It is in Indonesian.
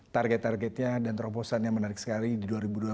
target targetnya dan terobosannya menarik sekali di dua ribu dua puluh satu